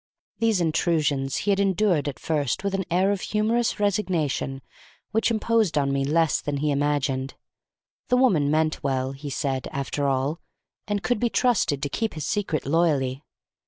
These intrusions he had endured at first with an air of humorous resignation which imposed upon me less than he imagined. The woman meant well, he said, after all, and could be trusted to keep his secret loyally.